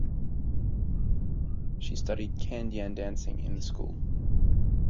She studied Kandyan Dancing in the school.